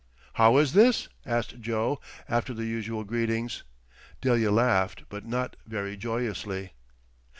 "How is this?" asked Joe after the usual greetings. Delia laughed, but not very joyously.